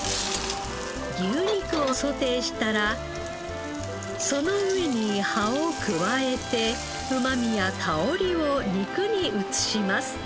牛肉をソテーしたらその上に葉を加えてうまみや香りを肉に移します。